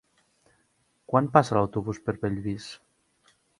Quan passa l'autobús per Bellvís?